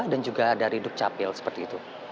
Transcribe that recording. dan juga ada dari duk capil seperti itu